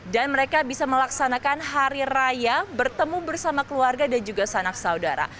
dan mereka bisa melaksanakan hari raya bertemu bersama keluarga dan juga sanak saudara